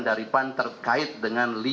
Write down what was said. dari pan terkait dengan